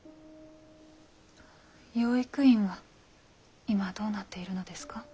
養育院は今どうなっているのですか？